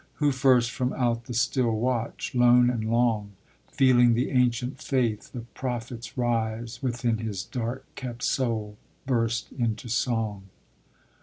Who first from out the still watch, lone and long, Feeling the ancient faith of prophets rise Within his dark kept soul, burst into song?